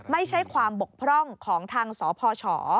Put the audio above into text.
ไม่ใช่ความบกพร่องของทางสพช